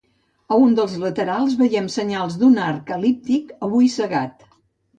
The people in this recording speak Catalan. A un dels laterals veiem senyals d'un arc el·líptic, avui cegat.